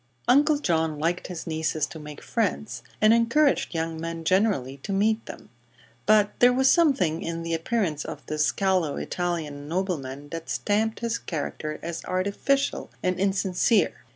Uncle John liked his nieces to make friends, and encouraged young men generally to meet them; but there was something in the appearance of this callow Italian nobleman that stamped his character as artificial and insincere.